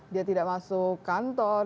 dia tidak masuk kantor